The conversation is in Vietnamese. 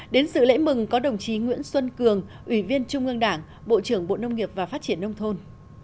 đến sự lễ mừng có đồng chí nguyễn xuân cường ủy viên trung ương đảng bộ trưởng bộ nông nghiệp và phát triển nông thôn